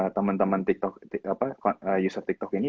teman teman user tiktok ini